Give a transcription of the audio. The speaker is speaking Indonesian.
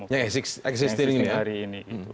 yang eksistir hari ini